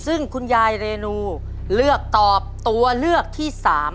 ซึ่งคุณยายเรนูเลือกตอบตัวเลือกที่๓